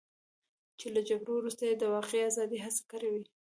چې له جګړې وروسته یې د واقعي ازادۍ هڅې کړې وې.